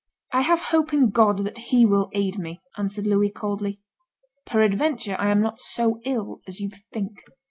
'I have hope in God that He will aid me,' answered Louis, coldly; 'peradventure I am not so ill as you think.